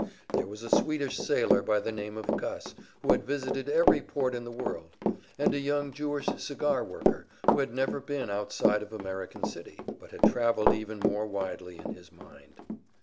There was a Swedish sailor by the name of Gus, who had visited every port in the world, and a young Jewish cigar worker who had never been outside of American City, but had travelled even more widely in his mind.